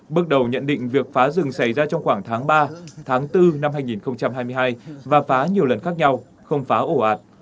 bước đầu nhận định việc phá rừng xảy ra trong khoảng tháng ba tháng bốn năm hai nghìn hai mươi hai và phá nhiều lần khác nhau không phá ổ ạt